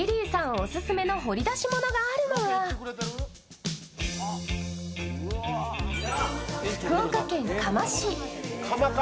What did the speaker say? オススメの掘り出し物があるのは福岡県嘉麻市。